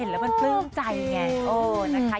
เห็นแล้วมันเปิ้มใจไง